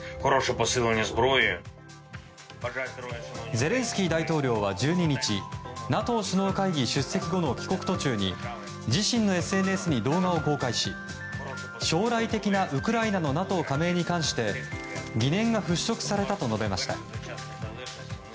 ゼレンスキー大統領は１２日ＮＡＴＯ首脳会議出席後の帰国途中に自身のＳＮＳに動画を公開し将来的なウクライナのＮＡＴＯ加盟に関して疑念が払しょくされたと述べました。